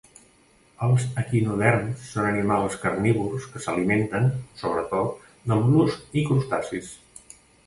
Els equinoderms són animals carnívors que s'alimenten, sobretot, de mol·luscs i crustacis.